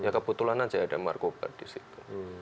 ya kebetulan aja ada markobar di situ